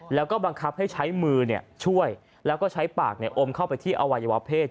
แล้วก็บังคับให้ใช้มือช่วยแล้วก็ใช้ปากอมเข้าไปที่อวัยวะเพศ